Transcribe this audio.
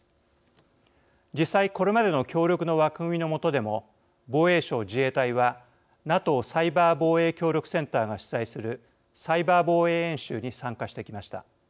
実際、これまでの協力の枠組みのもとでも防衛省、自衛隊はＮＡＴＯサイバー防衛協力センターが主催するサイバー防衛演習に参加してきました。